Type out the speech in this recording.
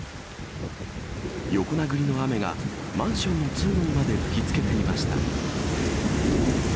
横殴りの雨がマンションの通路にまで吹きつけていました。